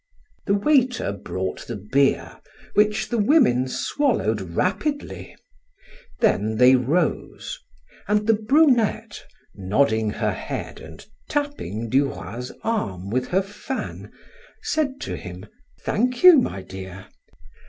The waiter brought the beer, which the women swallowed rapidly; then they rose, and the brunette, nodding her head and tapping Duroy's arm with her fan, said to him: "Thank you, my dear!